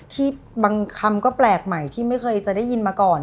ที่บางคำก็แปลกใหม่ที่ไม่เคยจะได้ยินมาก่อน